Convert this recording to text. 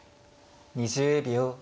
２０秒。